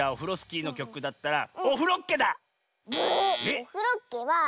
「オフロッケ！」は。